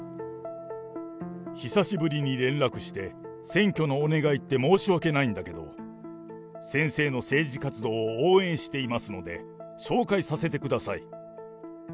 久しぶりに連絡して、選挙のお願いって申し訳ないんだけど、先生の政治活動を応援していますので、紹介させてください。